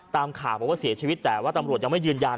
ตามข่าวบอกว่าเสียชีวิตแต่ว่าตำรวจยังไม่ยืนยัน